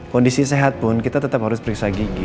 kondisi sehat pun kita tetap harus periksa gigi